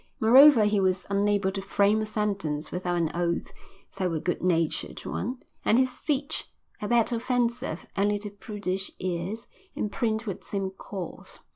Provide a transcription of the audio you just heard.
Moreover he was unable to frame a sentence without an oath, though a good natured one, and his speech, albeit offensive only to prudish ears, in print would seem coarse.